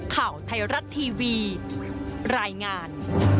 ข่าวไทยรัฐทีวีรายงาน